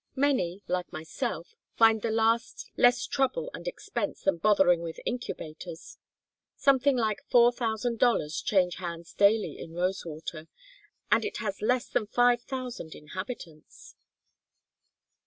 Many, like myself, find the last less trouble and expense than bothering with incubators. Something like four thousand dollars change hands daily in Rosewater, and it has less than five thousand inhabitants."